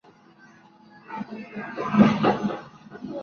Tiene una forma irregular y una superficie de una hectárea, aproximadamente.